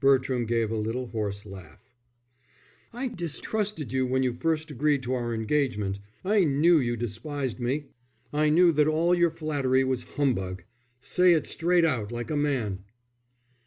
Bertram gave a little hoarse laugh. "I distrusted you when you first agreed to our engagement. I knew you despised me. I knew that all your flattery was humbug. Say it straight out like a man."